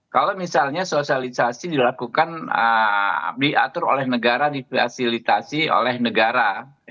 kalau misalnya sosialisasi dilakukan diatur oleh negara difasilitasi oleh negara